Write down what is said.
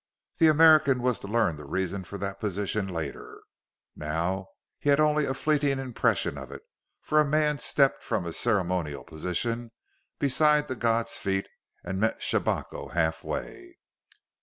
The American was to learn the reason for that position later. Now he had only a fleeting impression of it, for a man stepped from his ceremonial position beside the god's feet and met Shabako halfway.